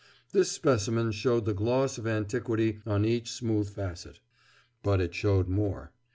This specimen showed the gloss of antiquity on each smooth facet. But it showed more.